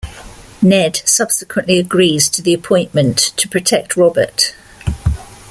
Ned subsequently agrees to the appointment to protect Robert.